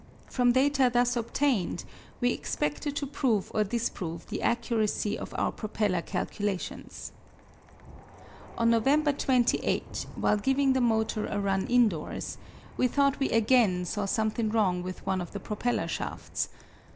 From data thus obtained we expected to prove or disprove the accuracy of our propeller calculations. On November 28, while giving the motor a run indoors, we thought we again saw something wrong with one of the propeller shafts.